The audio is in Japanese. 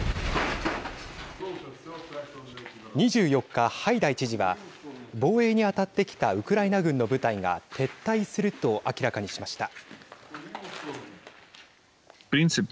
２４日、ハイダイ知事は防衛に当たってきたウクライナ軍の部隊が撤退すると明らかにしました。